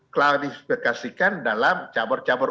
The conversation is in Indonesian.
kualifikasikan dalam cabar cabar